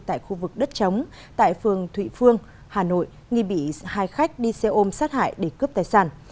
tại khu vực đất chống tại phường thụy phương hà nội nghi bị hai khách đi xe ôm sát hại để cướp tài sản